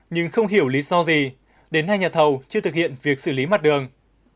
nhưng không hiểu lý do gì đến hai nhà thầu chưa thực hiện việc xử lý mặt đường